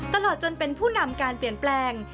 ตลอดจนเป็นผู้นำการเปลี่ยนแปลง